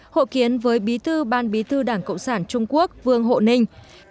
hội kiến với bí thư ban bí thư đảng cộng sản trung quốc vương hộ ninh